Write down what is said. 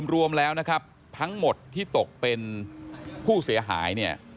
รวมแล้วทั้งหมดที่ตกเป็นผู้เสียหาย